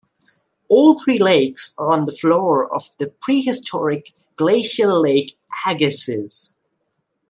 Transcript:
All three lakes are on the floor of the prehistoric glacial Lake Agassiz.